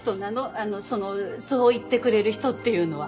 あのそのそう言ってくれる人っていうのは。